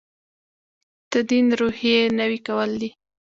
تدین روحیې نوي کول دی.